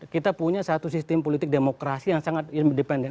kita punya satu sistem politik demokrasi yang sangat independen